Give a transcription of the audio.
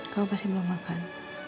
kamu pasti belum makan